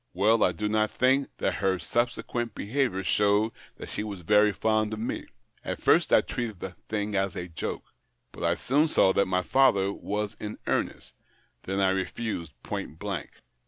" Well, I do not think that her subsequent behaviour showed that she was very fond of me. At first I treated the thing as a joke ; but I soon saw that my father was in earnest : then I refused point blank.